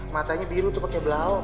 matanya biru tuh pake blau